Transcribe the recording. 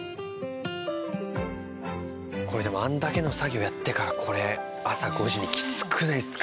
これでもあれだけの作業やってからこれ朝５時にきつくないですか？